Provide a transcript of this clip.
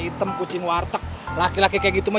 hitam kucing warteg laki laki kayak gitu mah